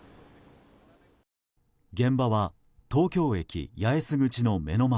現場は東京駅八重洲口の目の前。